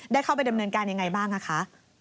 ได้เข้าไปดำเนินการยังไงบ้างคะ